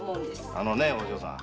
あのねお嬢さん。